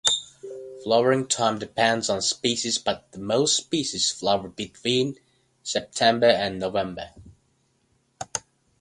Flowering time depends on species but most species flower between September and November.